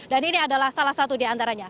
dan ini adalah salah satu di antaranya